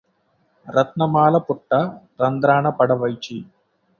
రత్నమాల పుట్ట రంధ్రాన పడవైచి